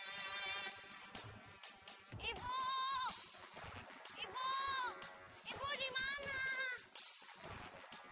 ibu dimana ibu